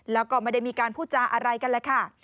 แล้วก็ไม่ได้มีการพูดจาอะไรกันแหละค่ะ